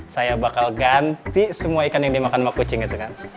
saya bakal ganti semua ikan yang dimakan sama kucing itu kan